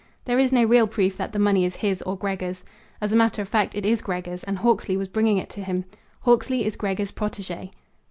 There is no real proof that the money is his or Gregor's. As a matter of fact, it is Gregor's, and Hawksley was bringing it to him. Hawksley is Gregor's protege."